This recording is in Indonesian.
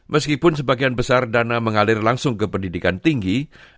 meskipun sebagian besar dana mengalir langsung ke pendidikan tinggi